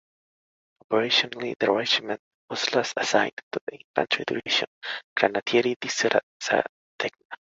Operationally the regiment was last assigned to the Infantry Division "Granatieri di Sardegna".